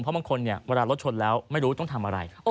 เพราะบางคนเนี่ยเวลารถชนแล้วไม่รู้ต้องทำอะไร